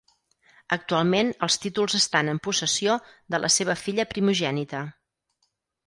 Actualment els títols estan en possessió de la seva filla primogènita.